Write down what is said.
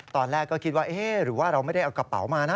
ตอนแรกก็คิดว่าเอ๊ะหรือว่าเราไม่ได้เอากระเป๋ามานะ